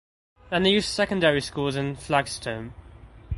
The nearest secondary school is in Flagstone.